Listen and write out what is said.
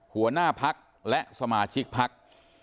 หัวหน้าพักษณ์และสมาชิกพักษณ์